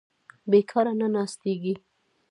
بېکاره نه ناستېږي.